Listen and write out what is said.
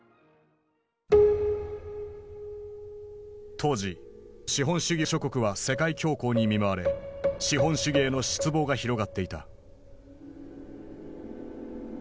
当時資本主義諸国は世界恐慌に見舞われ資本主義への失望が広がっていた。